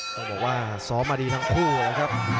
ต้องบอกว่าซ้อมมาดีทั้งคู่นะครับ